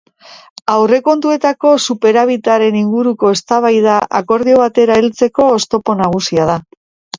Aurrekontuetako superabitaren inguruko eztabaida akordio batera heltzeko oztopo nagusia da.